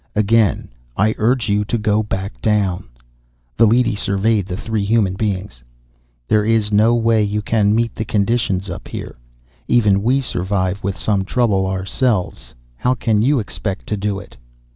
Again I urge you to go back down." The leady surveyed the three human beings. "There is no way you can meet the conditions up here. Even we survive with some trouble, ourselves. How can you expect to do it?"